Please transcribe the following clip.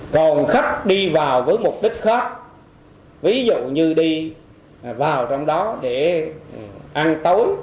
còn khách đi vào với mục đích khác ví dụ như đi vào trong đó để ăn tối